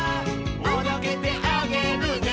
「おどけてあげるね」